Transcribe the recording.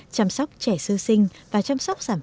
chăm sóc trẻ sơ sinh và chăm sóc sảm phụ